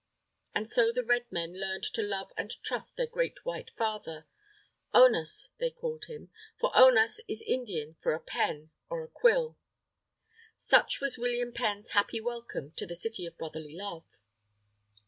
And so the Red Men learned to love and trust their great White Father Onas they called him. For Onas is Indian for a pen, or a quill. Such was William Penn's happy welcome to the City of Brotherly Love.